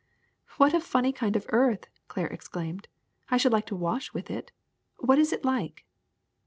'' *^What a funny kind of earth!" Claire exclaimed. '^I should like to wash with it. What is it like?"